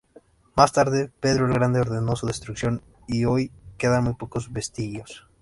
Más tarde, Pedro el Grande ordenó su destrucción y, hoy quedan muy pocos vestigios.